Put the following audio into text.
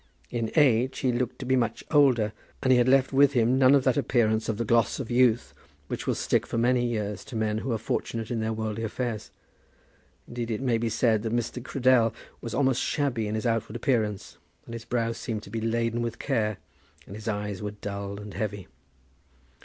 In age he looked to be much older, and he had left with him none of that appearance of the gloss of youth which will stick for many years to men who are fortunate in their worldly affairs. Indeed it may be said that Mr. Cradell was almost shabby in his outward appearance, and his brow seemed to be laden with care, and his eyes were dull and heavy.